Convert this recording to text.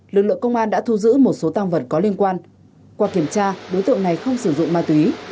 lực lượng công an đã thu giữ một số tăng vật có liên quan qua kiểm tra đối tượng này không sử dụng ma túy